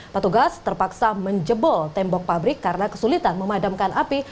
petugas terpaksa menjebol tembok pabrik karena kesulitan memadamkan api